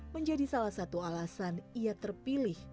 menjadi salah satu alasan ia terpilih